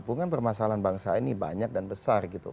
bukan permasalahan bangsa ini banyak dan besar gitu